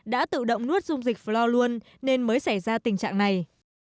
đã tự động nuốt dung dịch flore luôn nên mới xảy ra tình trạng này